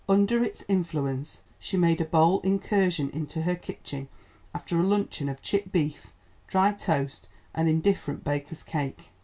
Under its influence she made a bold incursion into her kitchen, after a luncheon of chipped beef, dry toast and indifferent baker's cake.